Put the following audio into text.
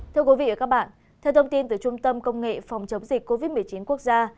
thưa quý vị và các bạn theo thông tin từ trung tâm công nghệ phòng chống dịch covid một mươi chín quốc gia